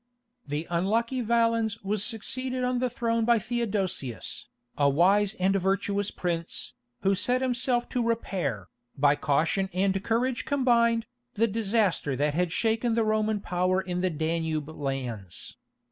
The unlucky Valens was succeeded on the throne by Theodosius, a wise and virtuous prince, who set himself to repair, by caution and courage combined, the disaster that had shaken the Roman power in the Danube lands.